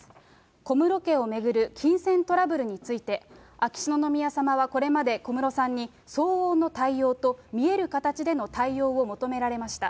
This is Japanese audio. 小室家を巡る金銭トラブルについて、秋篠宮さまはこれまで小室さんに、相応の対応と見える形での対応を求められました。